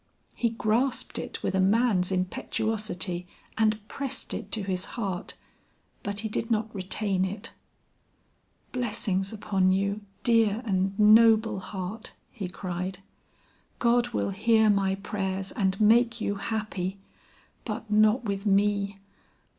He grasped it with a man's impetuosity and pressed it to his heart, but he did not retain it. "Blessings upon you, dear and noble heart!" he cried. "God will hear my prayers and make you happy but not with me.